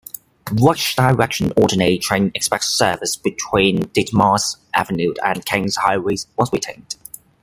Rush direction alternate-train express service between Ditmas Avenue and Kings Highway was retained.